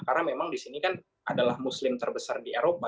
karena memang di sini kan adalah muslim terbesar di eropa